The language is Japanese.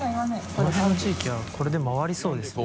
この辺の地域はこれで回りそうですね。